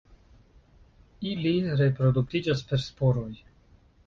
Ili reproduktiĝas per sporoj.